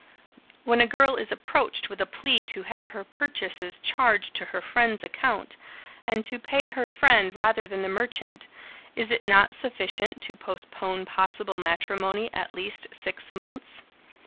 When a girl is approached with a plea to have her purchases charged to her friend's account, and to pay her friend rather than the merchant, is it not sufficient to postpone possible matrimony at least six months?